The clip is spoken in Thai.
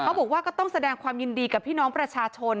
บอกว่าก็ต้องแสดงความยินดีกับพี่น้องประชาชน